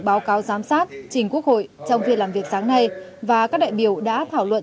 báo cáo giám sát trình quốc hội trong phiên làm việc sáng nay và các đại biểu đã thảo luận